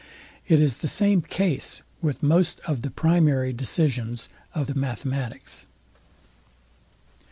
It is the same case with most of the primary decisions of the mathematics.